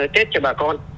tết cho bà con